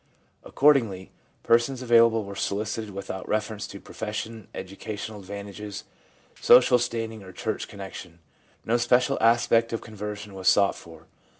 Accord ingly, persons available were solicited without reference to profession, educational advantages, social standing or church connection. No special aspect of conversion was sought for.